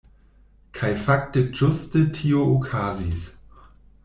Kaj fakte ĝuste tio okazis.